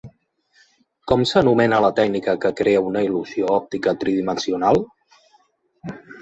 Com s'anomena la tècnica que crea una il·lusió òptica tridimensional?